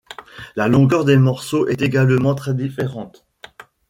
La longueur des morceaux est également très différente.